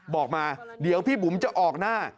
บอกมาเดี๋ยวพี่บุ๋มจะออกหน้า